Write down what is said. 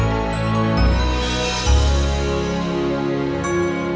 jangan lupa like subscribe share dan komen ya